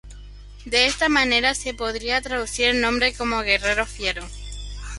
De esta manera, se podría traducir el nombre como ‘guerrero fiero’.